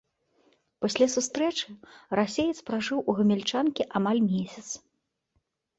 Пасля сустрэчы расеец пражыў у гамяльчанкі амаль месяц.